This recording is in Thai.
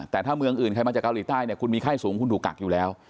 แต่ถ้าเมืองอื่นใครมาจากเกาหลีใต้เนี่ยคุณมีไข้สูงคุณถูกกักอยู่แล้ว